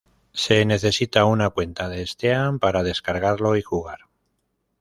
Se necesita una cuenta de Steam para descargarlo y jugar.